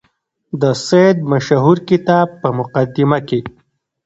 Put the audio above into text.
د سید مشهور کتاب په مقدمه کې.